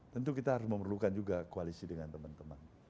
tentu kita harus memerlukan juga koalisi dengan teman teman